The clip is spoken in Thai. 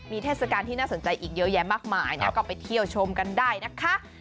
มีเทศกาลที่น่าสนใจอีกเยอะแยะมากมายนะก็ไปเที่ยวชมกันได้นะคะ